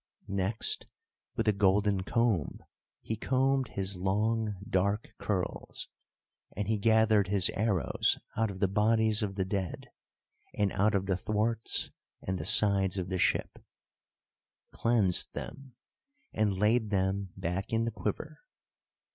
Next, with a golden comb he combed his long dark curls, and he gathered his arrows out of the bodies of the dead, and out of the thwarts and the sides of the ship, cleansed them, and laid them back in the quiver.